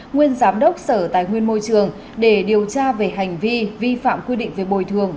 nguyên giám đốc sở tài nguyên môi trường để điều tra về hành vi vi phạm quy định về bồi thường